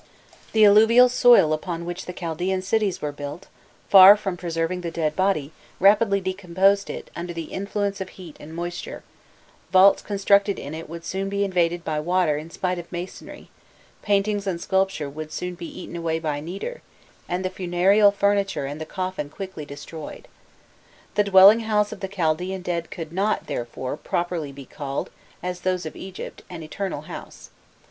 The alluvial soil upon which the Chaldaean cities were built, far from, preserving the dead body, rapidly decomposed it under the influence of heat and moisture: vaults constructed in it would soon be invaded by water in spite of masonry; paintings and sculpture would soon be eaten away by nitre, and the funereal furniture and the coffin quickly destroyed. The dwelling house of the Chaldaean dead could not, therefore, properly be called, as those of Egypt, an "eternal house."